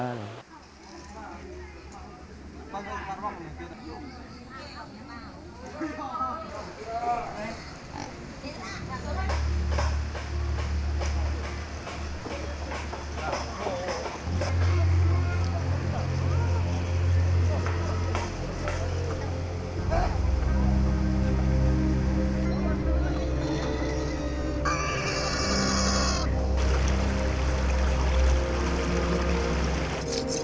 thôi rửa xuống đi